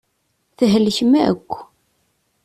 Thelkem akk.